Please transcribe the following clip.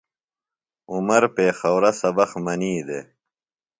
عمر پیخورہ سبق منی دےۡ۔